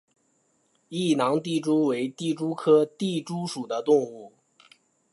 异囊地蛛为地蛛科地蛛属的动物。